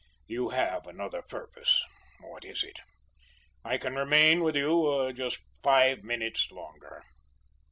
You have another purpose. What is it? I can remain with you just five minutes longer."